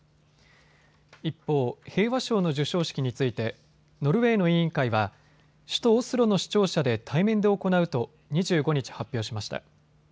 一方、平和賞の授賞式についてノルウェーの委員会は首都オスロの市庁舎で対面で行うと２５日、発表しました。